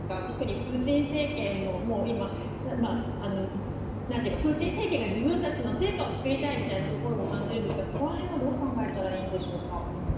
特にプーチン政権はもう今、プーチン政権が自分たちの成果を作りたいみたいなところも感じるんですがそこら辺はどう考えたらいいんでしょうか。